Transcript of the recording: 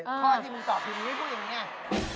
ข้อที่มีตอบถูกมีเรื่องคุยอย่างนี้